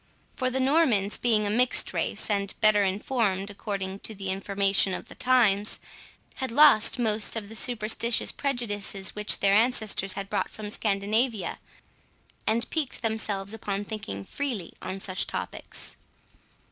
For the Normans being a mixed race, and better informed according to the information of the times, had lost most of the superstitious prejudices which their ancestors had brought from Scandinavia, and piqued themselves upon thinking freely on such topics.